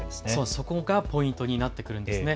そこがポイントになってくるんですね。